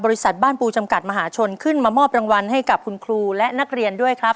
บ้านปูจำกัดมหาชนขึ้นมามอบรางวัลให้กับคุณครูและนักเรียนด้วยครับ